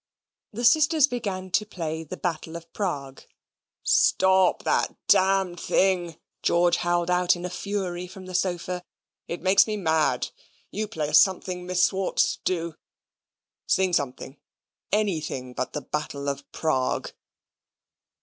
The sisters began to play the Battle of Prague. "Stop that d thing," George howled out in a fury from the sofa. "It makes me mad. You play us something, Miss Swartz, do. Sing something, anything but the Battle of Prague."